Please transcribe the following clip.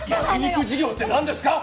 焼き肉授業ってなんですか？